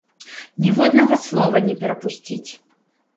Ніводнага слова не перапусціць.